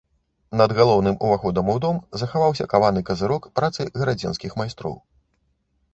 Над галоўным уваходам у дом захаваўся каваны казырок працы гарадзенскіх майстроў.